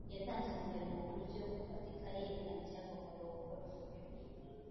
Yatanze urugero mu buryo bufatika yerekana icyagombaga Gukorwa